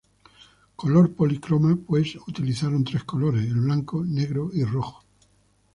Color policroma, pues utilizaron tres colores: el blanco, negro y rojo.